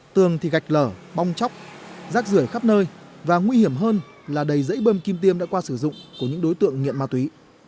tường thì gạch lở bong chóc rác rửa khắp nơi và nguy hiểm hơn là đầy dãy bơm kim tiêm đã qua sử dụng của những đối tượng nghiện ma túy